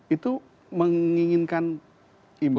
itu menginginkan imbal